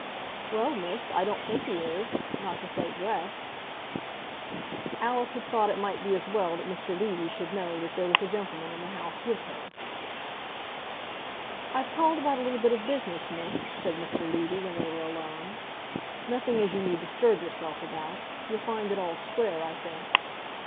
"Well, miss, I don't think he is, not to say dressed." Alice had thought it might be as well that Mr. Levy should know that there was a gentleman in the house with her. "I've called about a little bit of business, miss," said Mr. Levy, when they were alone. "Nothing as you need disturb yourself about. You'll find it all square, I think."